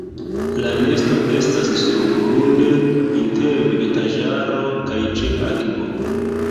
La nesto estas surgrunde inter vegetaĵaro kaj ĉe akvo.